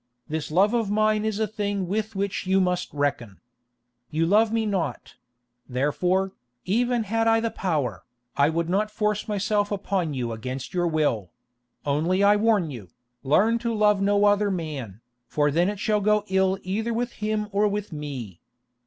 This love of mine is a thing with which you must reckon. You love me not—therefore, even had I the power, I would not force myself upon you against your will; only I warn you, learn to love no other man, for then it shall go ill either with him or with me.